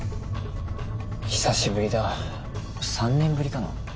久しぶりだ３年ぶりかな？